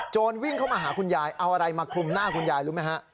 วิ่งเข้ามาหาคุณยายเอาอะไรมาคลุมหน้าคุณยายรู้ไหมฮะ